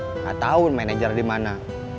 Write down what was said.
nggak tau manajer dimana